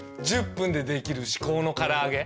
１０分でできる至高の唐揚げ。